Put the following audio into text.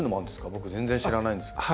僕全然知らないんですけど。